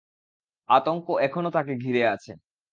আতঙ্ক এখনো তাকে ঘিরে আছে।